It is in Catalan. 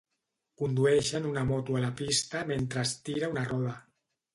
Condueixen una moto a la pista mentre es tira una roda.